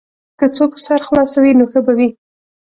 که څوک سر خلاصوي نو ښه به وي.